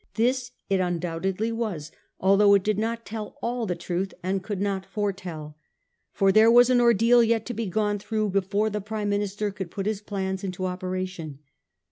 This it undoubtedly was, although it did not tell all the truth, and could not foretell. Por there was an ordeal yet to be gone through before the Prime Minister could put his plans into operation.